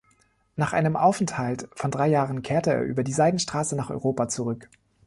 Nach einem Aufenthalt von drei Jahren kehrte er über die Seidenstraße nach Europa zurück.